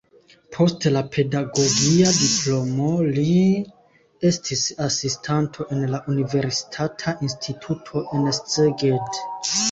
Post la pedagogia diplomo li estis asistanto en la universitata instituto en Szeged.